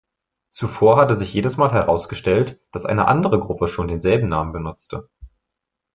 Zuvor hatte sich jedes Mal herausgestellt, dass eine andere Gruppe schon denselben Namen benutzte.